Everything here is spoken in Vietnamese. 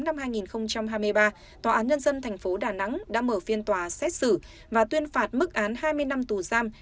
tòa án nhân dân thành phố đà nẵng đã mở phiên tòa xét xử và tuyên phạt mức án hai mươi năm tù giam